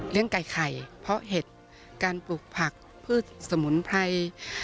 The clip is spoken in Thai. ไก่ไข่เพราะเห็ดการปลูกผักพืชสมุนไพร